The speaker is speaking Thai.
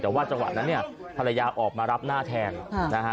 แต่ว่าจังหวะนั้นเนี่ยภรรยาออกมารับหน้าแทนนะฮะ